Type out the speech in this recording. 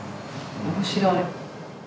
面白い。